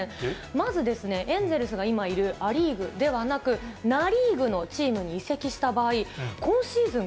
まずですね、エンゼルスが今いるア・リーグではなく、ナ・リーグのチームに移籍した場合、今シーズン